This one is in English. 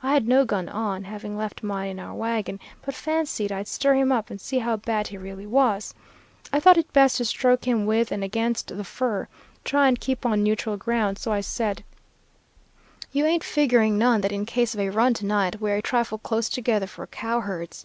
I had no gun on, having left mine in our wagon, but fancied I'd stir him up and see how bad he really was. I thought it best to stroke him with and against the fur, try and keep on neutral ground, so I said, "'You ain't figuring none that in case of a run to night we're a trifle close together for cow herds.